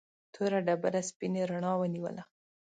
توره ډبره سپینې رڼا ونیوله.